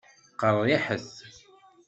Qeṛṛiḥet.